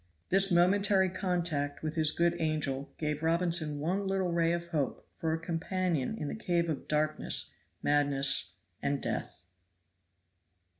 This momentary contact with his good angel gave Robinson one little ray of hope for a companion in the cave of darkness, madness, and death.